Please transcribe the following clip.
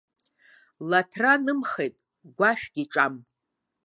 Лаҭра нымхеит, гәашәгьы ҿам.